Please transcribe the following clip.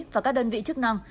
và các đơn vị chức năng